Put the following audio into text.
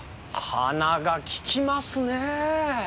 鼻がききますねぇ。